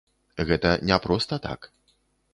Гэта не проста так.